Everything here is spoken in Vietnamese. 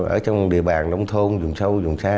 ở trong địa bàn nông thôn dùng sâu dùng xa